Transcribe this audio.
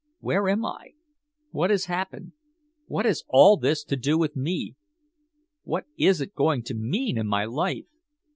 "Where am I? What has happened? What has all this to do with me? What is it going to mean in my life?"